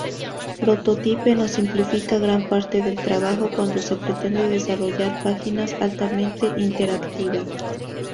Prototype nos simplifica gran parte del trabajo cuando se pretende desarrollar páginas altamente interactivas.